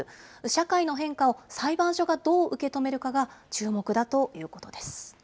社会の変化を裁判所がどう受け止めるかが注目だということです。